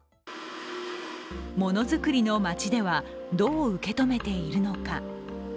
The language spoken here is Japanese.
ものづくりの町ではどう受け止めているのか。